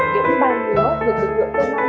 những bán lúa được lực lượng công an